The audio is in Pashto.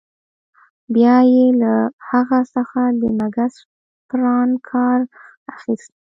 بیا يې له هغه څخه د مګس پران کار اخیست.